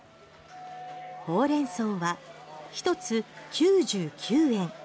ホウレンソウは１つ９９円。